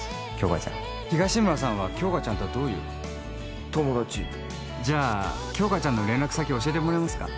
杏花ちゃん東村さんは杏花ちゃんとはどういう友達じゃあ杏花ちゃんの連絡先教えてもらえますか？